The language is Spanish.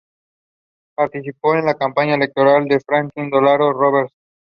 Participó en la campaña electoral de Franklin Delano Roosevelt.